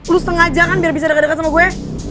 lu sengaja kan biar bisa deket deket sama gue